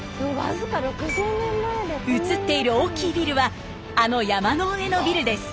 写っている大きいビルはあの山の上のビルです。